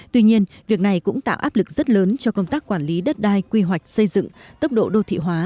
tuy nhiên việc này cũng tạo áp lực rất lớn cho công tác quản lý đất đai quy hoạch xây dựng tốc độ đô thị hóa